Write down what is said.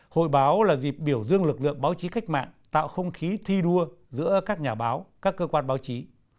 hội báo là dịp biểu dương lực lượng báo chí cách mạng tạo không khí thi đua giữa các nhà báo các cơ quan báo chí